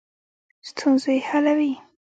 ستونزې حلوي.